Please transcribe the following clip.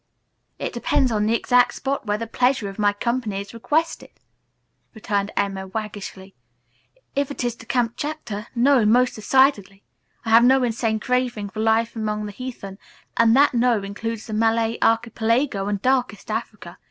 "It depends on the exact spot where the pleasure of my company is requested," returned Emma waggishly. "If it is to Kamptchatka no, most decidedly. I have no insane craving for life among the heathen, and that 'no' includes the Malay Archipelago and darkest Africa.